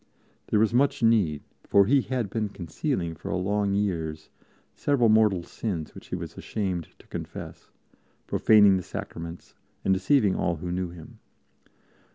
There was much need, for he had been concealing for long years several mortal sins which he was ashamed to confess, profaning the Sacraments and deceiving all who knew him.